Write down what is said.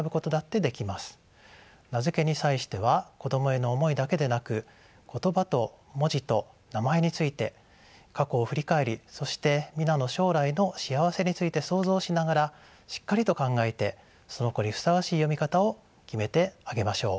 名付けに際しては子供への思いだけでなく言葉と文字と名前について過去を振り返りそして皆の将来の幸せについて想像しながらしっかりと考えてその子にふさわしい読み方を決めてあげましょう。